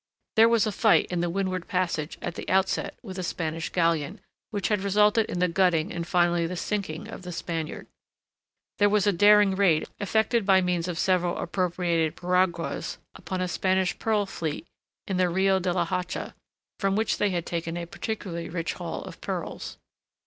There was a fight in the Windward Passage at the outset with a Spanish galleon, which had resulted in the gutting and finally the sinking of the Spaniard. There was a daring raid effected by means of several appropriated piraguas upon a Spanish pearl fleet in the Rio de la Hacha, from which they had taken a particularly rich haul of pearls.